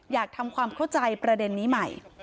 อยากทำความเข้าใจประเด็นนี้ใหม่